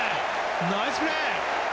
ナイスプレー！